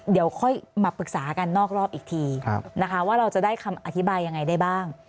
เดี๋ยวค่อยมาปรึกษากันนอกรอบอีกทีนะคะว่าเราจะได้คำอธิบายยังไงได้บ้าง